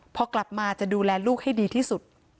พอกลับมาจะดูแลลูกให้ดีที่สุด